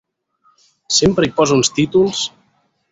Sempre hi posa uns títols!